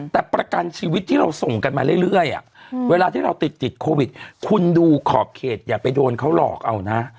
แต่ประกันชีวิตที่เราส่งกันมาเรื่อยเวลาที่เราติดติดโควิดคุณดูขอบเขตอย่าไปโดนเขาหลอกเอานะ